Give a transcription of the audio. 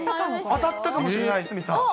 当たったかもしれない、鷲見さん。